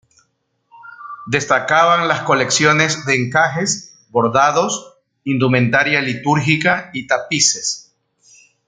Destacaban las colecciones de encajes, bordados, indumentaria litúrgica y tapices.